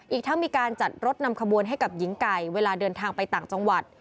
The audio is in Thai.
อีกทั้งมีการจัดรถนำขบวนให้กับหญิงไก่เวลาเดินทางไปต่างจังหวัด